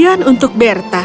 dan begitulah yang terjadi